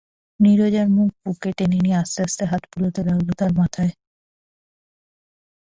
নীরজার মুখ বুকে টেনে নিয়ে আস্তে আস্তে হাত বুলোতে লাগল তার মাথায়।